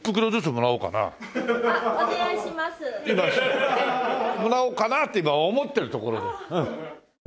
もらおうかなって今思ってるところです。